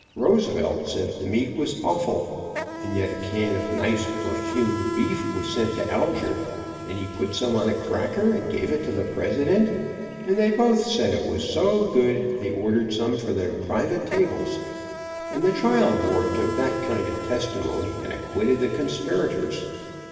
Roosevelt said the meat was offal, and yet a can of nice, perfumed beef was sent to Alger, and he put some on a cracker and gave it to the President, and they both said it was so good they ordered some for their private tables, and the trial board took that kind of testimony and acquitted the conspirators.